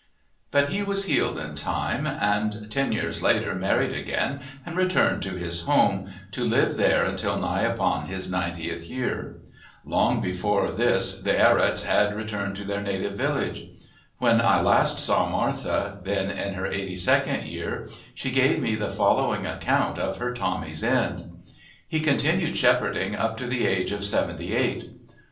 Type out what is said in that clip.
But he was healed in time, and ten years later married again and returned to his home, to live there until nigh upon his ninetieth year. Long before this the Ierats had returned to their native village. When I last saw Martha, then in her eighty second year, she gave me the following account of her Tommy's end. He continued shepherding up to the age of seventy eight.